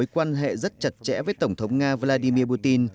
quan hệ rất chặt chẽ với tổng thống nga vladimir putin